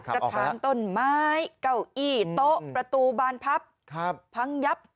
กระถางต้นไม้เก้าอี้โต๊ะประตูบานพับพังยับ